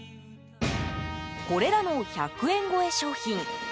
これらの１００円超え商品